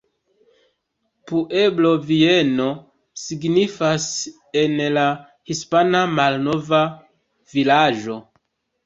Pueblo Viejo signifas en la hispana "Malnova vilaĝo".